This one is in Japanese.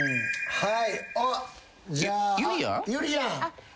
はい。